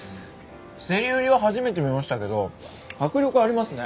競り売りは初めて見ましたけど迫力ありますね。